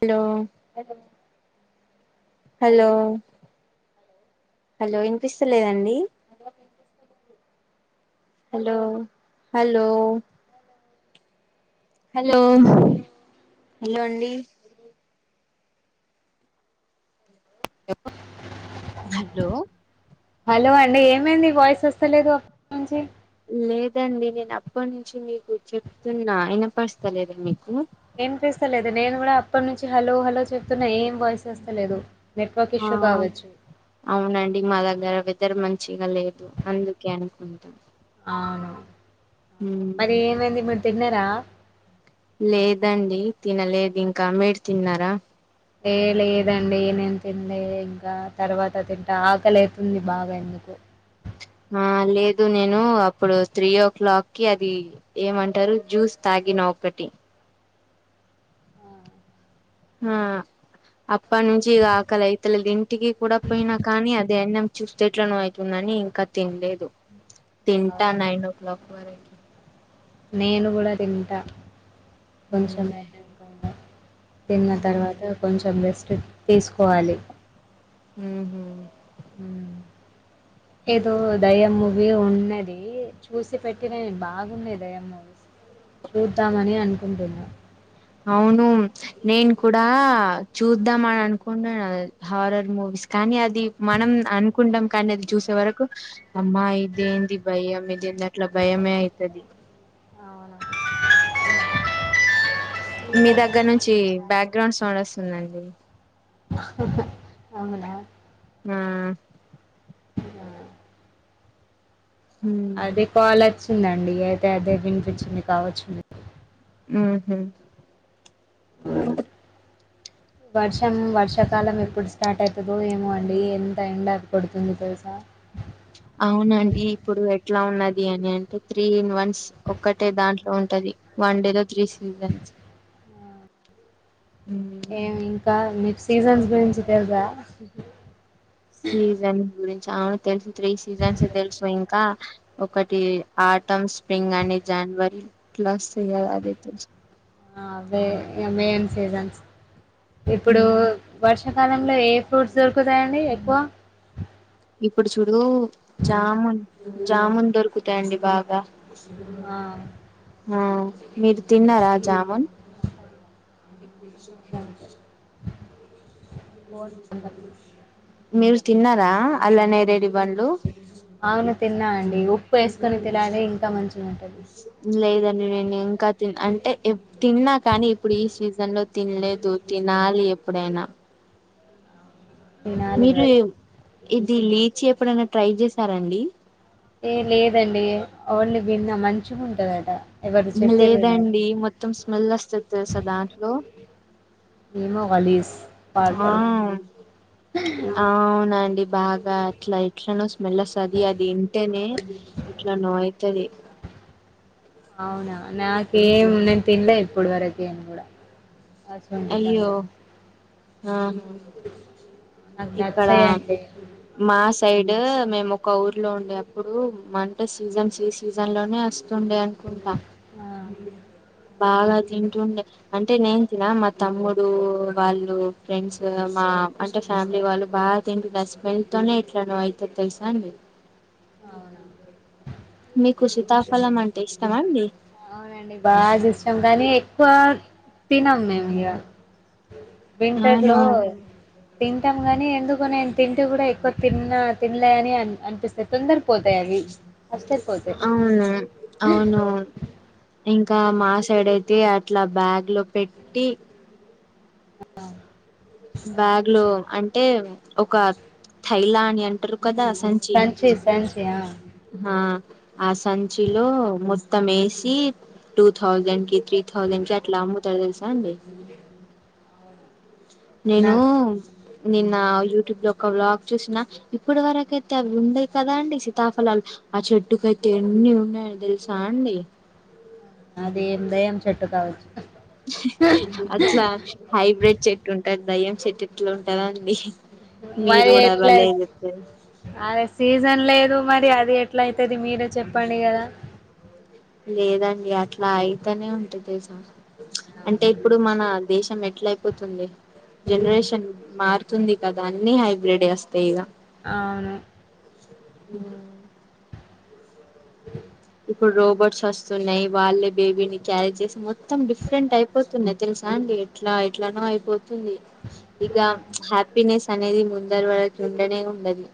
Hello! Hello! Hello ఇనిపిస్తాలేదాండీ. Hello! Hello! Hello, హలోండి ఎప్పుడు? హలో! హలో అండి ఏమైంది వాయిస్ వస్తలేదు అప్పనుంచి లేదండి నేను అప్పనుంచి మీకు చెప్తున్నా వినపస్తలేద మీకు ఏం చేస్తలేదు నేను గుడా అప్పటి నుంచి హలో హలో చెప్తున్నా ఏం వాయిస్ ఓస్తలేదు ఆ అవునండి మా దగ్గర వె వెదర్ మంచిగా లేదు అందుకే అనుకుంట అవును మరి ఏమైంది మీరు తిన్నరా లేదండి తినలేదు ఇంకా మీరు తిన్నారా ఏ లేదండి నేన్ తిన్లె ఇంకా తర్వాత తింట ఆకలై తుంది బాగా ఎందుకో ఆ లేదు నేను అప్పుడు త్రీ ఓ క్లాక్ కి అది ఏమంటారు జ్యూస్ తా గిన వొకటి ఆ, ఆ అప్ అప్ప నుంచి ఇగ ఆకలైతలెది ఇంటికి కూడ పోయినా కానీ అది ఎన్నం చూస్తే ఎట్లానో అయితుందని ఇంక తిన్లేదు తింటా అవును. నైన్ ఓ క్లాక్ వర నేను కూడ తింటా కొంచమైనా తిన్న తర్వాత కొంచెం రెస్ట్ తీసుకోవాలి ఊ హు ఏదో దయమ్మువి ఉన్నయ్ ధీ చూసి పెట్టిన నేను బాగుంన్నది దయ్యం మూవీస్ చూద్దామని అనుకుంటున్నా అవును నేను కుడా చూద్దాం అని అనుకుంటున్న హారర్ మూవీస్ కానీ అది మనం అనుకుంటాం కానీ అది చూసే వరకు అమ్మా ఇదేంది భయం ఇదేంది అట్ల భయమే అయితది అవునా? మీ దగ్గర నుంచి బ్యాక్గ్రౌండ్ సౌండ్ వస్తుందండి అవునా ఊ ఆ అది కాలోచ్చిందండి అయితే అదే వినిపించింది కావచ్చు ఉ హు వర్షం వర్షాకాలం ఎప్ ఎప్పుడు స్టార్ట్ అయితదో ఏమో అండి ఎంత ఎండ కొడుతుంది తెలుసా అవునండి ఇప్పుడు ఎట్లా ఉన్నది అని అంటే త్రీ ఇన్ వన్స్ ఒక్కటే దాంట్లో ఉంటది వన్ డే లో త్రీ సీజన్స్ మ్మ్. ఏమి ఇంకా మీ సీజన్స్ గురించి తెలుసా సీజన్ గురించి అవును తెలుసు త్రీ సీజన్స్ తెలుసు ఇంకా ఒకటి ఆటం స్ప్రింగ్ అని జనవరి ఇట్ల వస్తది కదా అది తెల్సు ఆ అవే ఇగ మేన్ సీజన్స్ ఇప్పుడు మ్మ్. వర్ష కాలంలో ఏ ఫ్రూట్స్ దొరుకుతాయండి ఎక్కువ ఇప్పుడు చూడు జామున్ జామున్ దొరుకుతాయండి బాగా ఆ ఆ మీరు తిన్నరా జామున్ అ ప [unintelligible] బ [inaudible] టది మీరు తిన్నరా అల్లరి నేరేడి అవును తిన్నా అండి ఉప్పు ఏసుకొని తినాలి ఇంకా మంచి లేదండి నేను ఇంకా తి అంటే తిన్నా కానీ ఇప్పుడు ఈ సీజన్లో తినలే దు తినాలి ఎప్పుడైనా తినాలి మీరు మరి ఇది లీచి ఎప్పుడైనా ట్రై చేసారండి ఏ లేదండి ఓన్లీ విన్న మంచిగుంటదట లేదండి మొత్తం స్మెల్ వస్తది తెలుసా దాంట్లో ఏమో వాలీస్ ఆ అవునండి బాగా అట్లా ఎట్లానో స్మెల్ అస్తది అదింటేనే ఎట్లా నో అయితది అవునా నాకేం నేను తినలే ఇప్పుడు వరకి నేనుకూడ అసువంటి అయ్యో పండు ఆహా నాకు ఇక్కడ నచ్చాయండి మాస్ సైడూ మేము ఒక ఊర్లో ఉండే అప్పుడు మంట సీజన్స్ ఈ సీజన్ లోనే అస్ తుండే అనుకుంట ఆ బాగా తింటుండే అంటే నేను తిన మ తమ్ముడు వాళ్ళు ఫ్రెండ్స్ మా అంటే ఫ్యామిలీ వాళ్ళు బా తింటారు ఆ స్మెల్ తోనే ఎట్లనో అయిపోతది తెలుసా అండి మీకు సీతాఫలం అంటే ఇష్టమా అండి ఆ అవునండి బాగిష్టం కానీ ఎక్కువ తినం మేము ఇగ వింటర్ అవును లో తి గనీ ఎందుకో నేను తింటూ కూడా ఎక్కువ తిన్నా తినలే అని అనిపిస్తంది తొందర పోతాయి అవి అస్సలు పోతాయి అవును అవును ఇంకా మా సైడ్ అయితే అట్లా బ్యాగ్ లో పెట్టి ఆ బ్యాగ్లో అంటే ఒక థైలాని అంట రు కదా సంచి సంచి ఆ హ ఆ సంచిలో మొత్తం ఏసి టూ థౌజండ్ కి త్రీ థౌజండ్ కి అట్లా అమ్ము తెలుసా అండి నేనూ నాకు ని ఆ యూట్యూబ్ లో ఒక బ్లాగ్ చూసిన ఇప్పుడు వరకయితే అవి ఉండే కదా అండి సితాఫలాలు అచ్చ చెట్టు కైతే ఎన్ని ఉన్నాయి తెలుసా అండి అదే [unintelligible] అట్ల హైబ్రిడ్ చెట్టు ఉంటది దయ్యం చెట్టు ఎట్ల ఉంటందా అండి మీరు గూడ అలానే అనకపోయారు అరే సీజన్ లేదు మరి అది ఎట్లా అయితది మీరే చెప్పండి గదా లేదండి అట్ల అయితేనే ఉంటడి తెల్సా అంటే అవును ఇప్పుడు మన దేశం ఎట్ల అయిపోతుంది జనరేషన్ మారు తుంది కదా అన్ని హైబ్రిడే అస్తయి ఇగ అవును ఊ ఇప్పుడు రోబోట్స్ వస్తున్నాయి వాళ్లే బేబీని క్యారీ చేసి మొత్తం డిఫరెంట్ అయిపోతున్నాయి తెలుసా అండి ఎట్లా ఎట్లనో అయిపోతు ఉంది ఇగా హ్యాపీనెస్ అనేది ముందర ఉండనే ఉండది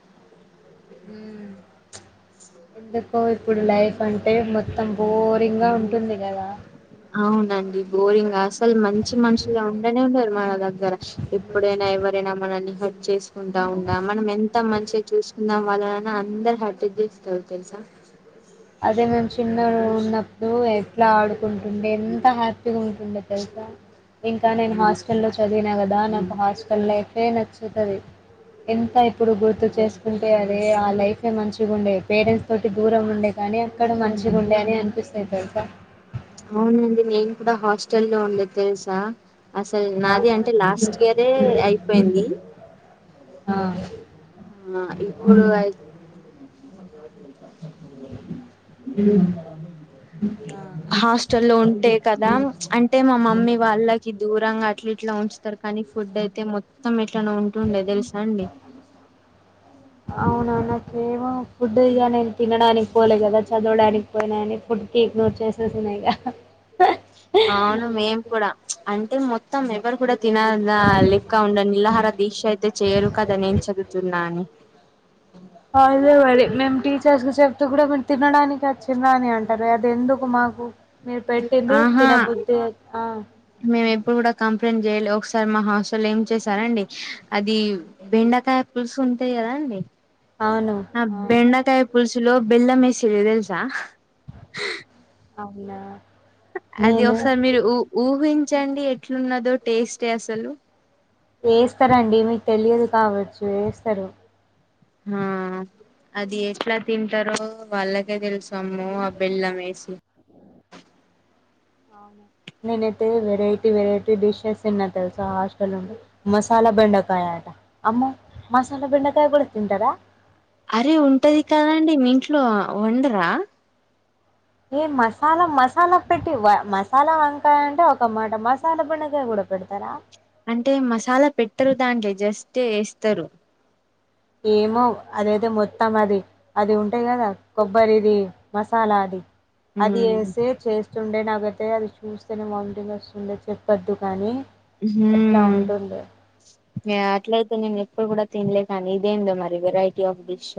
సో ఇప్పుడు లైఫ్ అంటే మొత్తం బోరింగ్ గా ఉంటుంది కదా అవునండి బోరింగ్ అస లు మంచి మనుషులుగా ఉండనే ఉండరు మన దగ్గర ఎప్పుడైన ఎవరైన మనల్ని హార్ట్ చేసి ఉంటారూ మనం ఎంత మంచిగా చూసుకున్న అళ్ళ నాన అందరు హటది దిస్తడు తెల్సా [unintelligible] అదే నేను చిన్నగా ఉన్నప్పుడు ఎట్లా ఆడుకుంటుండే ఎంత హ్యాపీ ఉంటుండే తెలుసా ఇంకా నేను హాస్టల్లో చదివిన గదా నాకు హాస్టల్ లైఫ్ ఏ నచ్చుతది ఎంత ఇప్పుడు గుర్తు చేసుకుంటే అదే ఆ లైఫే మంచిగా ఉండేది పేరెంట్స్ తోటి దూరం ఉండే కానీ అక్కడ మంచి గుండే అని అనిపిస్తది తెలుసా అవునండి నేను కూడా హాస్టల్ లో ఉండేది తెలుసా అసలు నాది అంటే లాస్ట్ ఇయరే అయిపోయింది ఆ ఆ ఇప్పుడు అయి ఆ హాస్టల్ల్లో ఉంటే కదా అంటే మా మమ్మీ వాళ్ళకి దూరంగా ఇట్లా ఇట్లా ఉంచుతారు కానీ ఫుడ్ అయితే మొత్తం ఎట్లానే ఉంటుండే తెలుసా అండి అవునా నా కేమో ఫుడ్ ఇగా నేను తినడానికి పోలే కదా చదవడానికి పోయినా అని ఫుడ్ కేక్ నోర్ చేససన్నా [unintelligible] అవును మేం కూడా అంటే మొత్తం ఎవరు కూడా తినద లెక్క ఉండ నిలహార దీక్ష అయితే చేయరు కదా నేను చదువుతున్నా అని అదే మరి మేము టీచర్స్ కు చెప్తూ కూడా మీరు తినడానికి చిన్న అని అంటారు అది ఎందుకు మాకు మీరు పెట్టింది ఆహా తినబుద్ధి ఆ మేము ఇప్పుడు కూడా కంప్లైంట్ చేయాలే ఒకసారి మా హాస్టలో ఏం చేసారండి అది బెండకాయ పుల్స్ అంతే కదా అండి ఆ బెండకాయ పులుసులో బెల్లం వేసిర్రు తెలుసా అవునా అది నేను ఒకసారి మీరు ఊ ఊహించండి ఎట్లున్నదో టేస్టే అసలు వేస్తరండి మీకు తెలియదు కావచ్చు వేస్తారు హ అది ఎట్లా తింటారో వాళ్ళకే తెలుసు అమ్మో ఆ బెల్లం వేసి అవునా నేనైతే వెరైటీ వెరైటీ డిషెస్ తిన్న తెలుసా ఆ హాస్టల్ నుండి మసాలా బెండకాయ ఆట అమ్మో మసాలా బెండకాయ కూడా తింటారా అరే ఉంటది కదండి మీ ఇంట్లో వండరా ఏ మసాలా మస్త్ మసాలా పెట్టి మసాలా వంకాయ అంటే ఒక మాట మసాలా బెండకాయ కూడా పెడతారా అంటే మసాలా పెట్టరు దాంట్లో జస్ట్ వేస్తారు ఏమో అదైతే మొత్తం అది అది ఉంటాయి కదా కొబ్బరిది మసాలా అది అది ఉమ్ సేవ్ చేస్తుండే నాగ టే అది చూస్తేనే వాంతింగ్ వస్తుంది చెప్పొద్దు కాని ఉహుమ్మ్ అట్లయితే నేను ఎప్పుడు కూడా తినలే కానీ ఇదేందో మరి వెరైటీ ఆఫ్ డిష్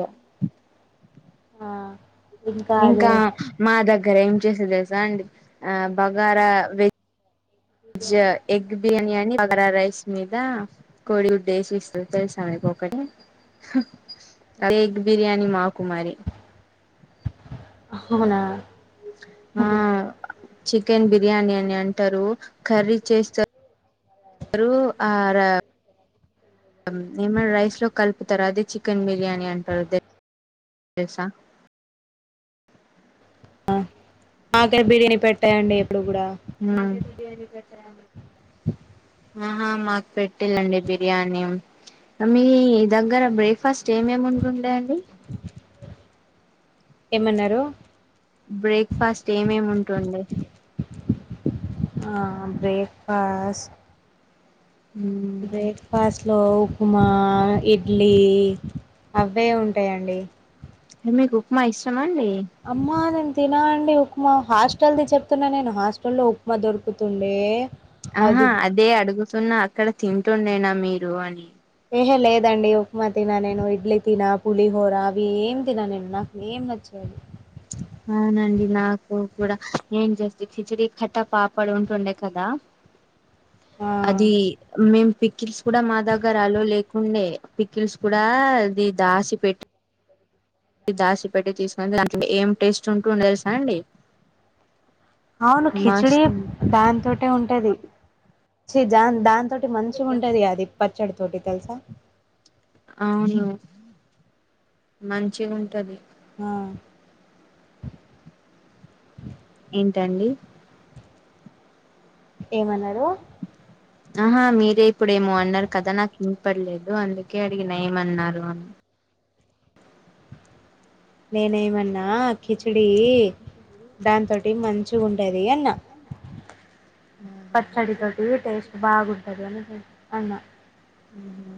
ఆ ఇంకా మా దగ్గర ఏం చేసేది తెలుసా అండి ఆ బగారా వె జ ఎగ్ బిర్యానీ బగర రైస్ మీద కోడి గుడ్డేసి ఇస్తది తెలుసా మీకు ఒకటి హా ఎగ్ బిర్యానీ మాకు మరి అవునా హ చికెన్ బిర్యానీ అని అంటారు కర్రీ చేస్తారు రు ఆర ఏమన్నా రైస్ లో కలుపుతరా అదే చికెన్ బిర్యానీ అంటారు చేసా మాకే బిర్యానీ పెట్ [unintelligible] ఆహా మాకు పెట్టిందండి బిర్యానీ మీ దగ్గర బ్రేక్ ఫస్ట్ ఏమేమి ఉంటుండే అండి ఏమన్నారు బ్రేక్ ఫాస్ట్ ఏమేముంటుండే ఆ బ్రేక్ ఫాస్ట్ మ్ బ్రేక్ ఫాస్ట్ లో ఉప్మా ఇడ్లీ అవే ఉంటాయండి ఏ మీకు ఉప్మా ఇష్ట అమ్మా నేను తినండి ఉప్మా మా హాస్టల్ది చెప్తున్నా నేను హాస్టల్ లో ఉప్మా దొరుకుతుండే ఆహా అది అదే అడుగుతున్నా అక్కడ తింటుండేనా మీరు అని ఏహే లేదండి ఉప్మా తిన నేను ఇడ్లీ తిన పులిహోర అవి ఏం తిన నేను నాకు ఏం నచ్చవ్ అవి అవునండి నాకు కూడా ఏం చేస్తే కిచడి కట్టా పాపడు ఉంటుండే కదా ఆ అది మేము పిక్కిల్స్ కూడా మా దగ్గర ఆలో లేకుండే పిక్కిల్స్ కూడా ఇది దాసి పెట్టి ది దాసి పెట్టి తీసుకునింటే ఏం టేస్ట్ ఉంటుండే తెలుసా అండి అవును కిచిడి మస్తు దానితోటే ఉంటది చే దాన్ దాం తటి మంచిగా ఉంటది అది పచ్చడితోటి తెలుసా అవును మంచిగుంటది ఆ ఏంటండి ఏమన్నారు ఆహా మీరే ఇప్పుడేమో అన్నారు కదా నాకు వినపడలేదు అందుకే అడిగినా ఏమన్నారు అని నేనేమన్నా కిచిడీ దాంతోటి మంచిగా ఉంటది అన్న పచ్చడి తోటి టేస్ట్ బాగుంటది అని అన్నా ఉహా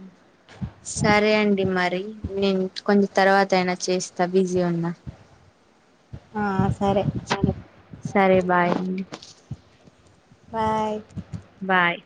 సరే అండి మరి నేను కొం తర్వాత అయినా చేస్తా బిజీ ఉన్న ఆ సరే సరే బాయ్ బాయ్ బాయ్